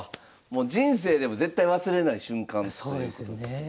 人生でも絶対忘れない瞬間ということですよね。